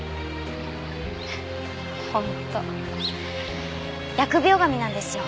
本当疫病神なんですよ